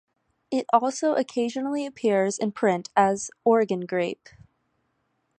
It also occasionally appears in print as "Oregongrape".